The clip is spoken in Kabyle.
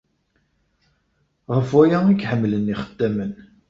Ɣef waya ay k-ḥemmlen yixeddamen.